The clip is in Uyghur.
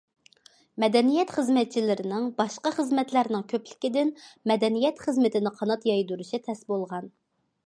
مەدەنىيەت خىزمەتچىلىرىنىڭ باشقا خىزمەتلەرنىڭ كۆپلۈكىدىن مەدەنىيەت خىزمىتىنى قانات يايدۇرۇشى تەس بولغان.